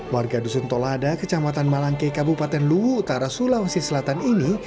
warga dusun tolada kecamatan malangke kabupaten luwu utara sulawesi selatan ini